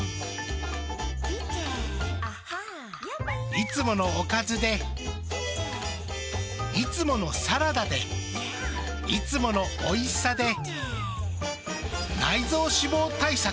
いつものおかずでいつものサラダでいつものおいしさで内臓脂肪対策。